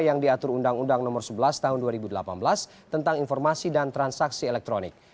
yang diatur undang undang nomor sebelas tahun dua ribu delapan belas tentang informasi dan transaksi elektronik